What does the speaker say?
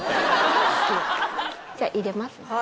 じゃあ入れます。